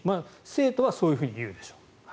生徒はそういうふうに言うでしょう。